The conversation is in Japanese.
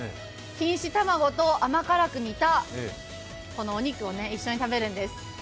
錦糸卵と甘辛く煮たこのお肉を一緒に食べるんです。